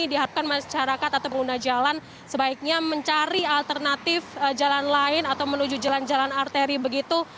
diharapkan masyarakat atau pengguna jalan sebaiknya mencari alternatif jalan lain atau menuju jalan jalan arteri begitu